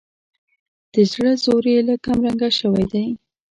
د زړه زور یې لږ کمرنګه شوی دی.